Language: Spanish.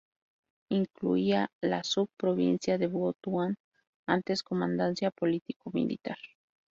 Incluía la sub-provincia de Butuan, antes comandancia político militar.